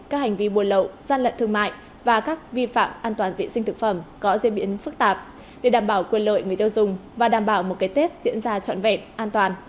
các hành vi buồn lậu gian lận thương mại và các vi phạm an toàn vệ sinh thực phẩm có diễn biến phức tạp để đảm bảo quyền lợi người tiêu dùng và đảm bảo một cái tết diễn ra trọn vẹn an toàn